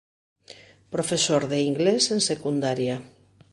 Profesor de inglés en Secundaria.